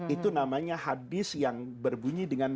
itu namanya hadis yang berbunyi dengan